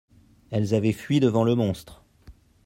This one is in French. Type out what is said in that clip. elles avaient fui devant le monstre.